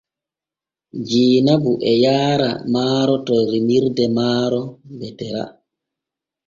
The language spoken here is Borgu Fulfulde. Jeenabu e yaara maaro to remirde maaro Betera.